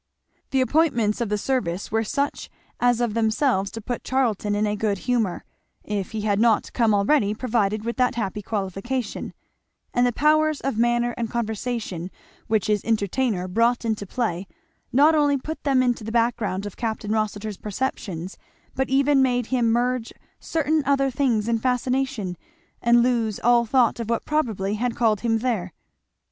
The appointments of the service were such as of themselves to put Charlton in a good humour, if he had not come already provided with that happy qualification; and the powers of manner and conversation which his entertainer brought into play not only put them into the background of Capt. Rossitur's perceptions but even made him merge certain other things in fascination, and lose all thought of what probably had called him there.